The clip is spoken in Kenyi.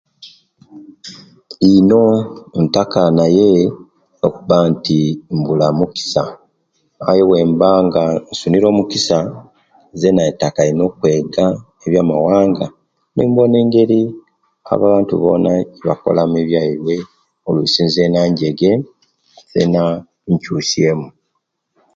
Ino ntaka naye okuba nti mbula mugisa aye owemba nga basunire omugisa nzena ntaka ino okwega ebwomawanga gandi kubanga nimbona engeri abantu bona webakola mu ebyaibwe oluisi zena njege nzena nkyusye mu